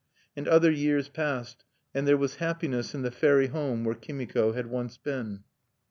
And other years passed; and there was happiness in the fairy home where Kimiko had once been.